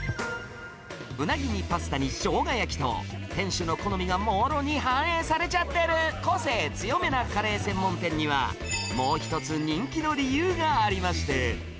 うなぎにパスタにしょうが焼きと、店主の好みがもろに反映されちゃってる個性強めなカレー専門店には、もう一つ、人気の理由がありまして。